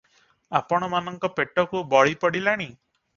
ଆପଣ ମାନଙ୍କ ପେଟକୁ ବଳି ପଡ଼ିଲାଣି ।